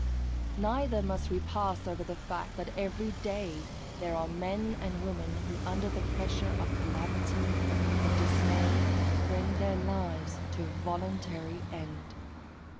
Neither must we pass over the fact that every day there are men and women who, under the pressure of calamity and dismay, bring their lives to a voluntary end.